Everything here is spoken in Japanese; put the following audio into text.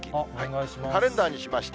カレンダーにしました。